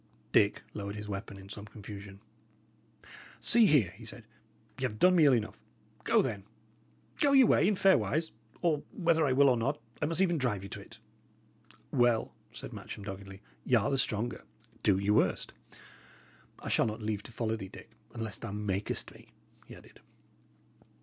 Dick lowered his weapon in some confusion. "See here," he said. "Y' have done me ill enough. Go, then. Go your way in fair wise; or, whether I will or not, I must even drive you to it." "Well," said Matcham, doggedly, "y' are the stronger. Do your worst. I shall not leave to follow thee, Dick, unless thou makest me," he added.